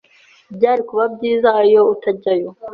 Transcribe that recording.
Byari kuba byiza iyo utajyayo.